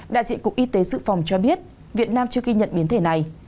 đại diện cục y tế sự phòng cho biết việt nam chưa ghi nhận biến thể này